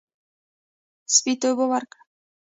سپي ته اوبه ورکړئ.